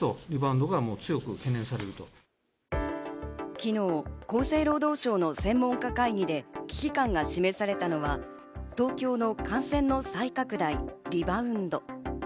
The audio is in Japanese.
昨日、厚生労働省の専門家会議で危機感が示されたのは、東京の感染の再拡大、リバウンド。